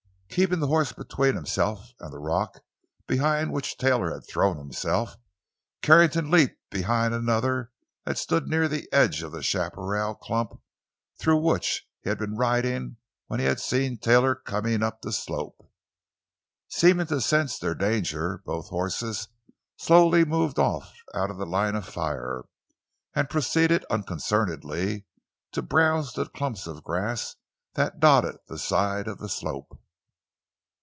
Keeping the horse between himself and the rock behind which Taylor had thrown himself, Carrington leaped behind another that stood near the edge of the chaparral clump through which he had been riding when he had seen Taylor coming up the slope. Seeming to sense their danger, both horses slowly moved off out of the line of fire and proceeded unconcernedly to browse the clumps of grass that dotted the side of the slope.